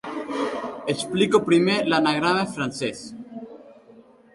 Explico primer l'anagrama francès.